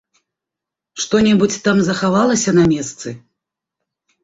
Што-небудзь там захавалася на месцы?